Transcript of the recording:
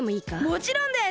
もちろんです！